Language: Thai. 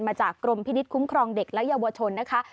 จากกรมพินิษฐคุ้มครองเด็กและเยาวชนนะคะ